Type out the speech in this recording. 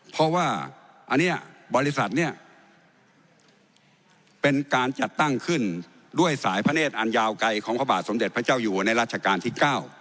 เพราะว่าอันนี้บริษัทเนี่ยเป็นการจัดตั้งขึ้นด้วยสายพระเนธอันยาวไกลของพระบาทสมเด็จพระเจ้าอยู่ในรัชกาลที่๙